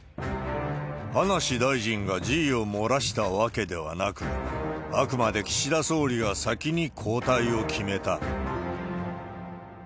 葉梨大臣が辞意を漏らしたわけではなく、あくまで岸田総理が先に交代を決めた。